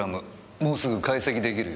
もうすぐ解析できるよ。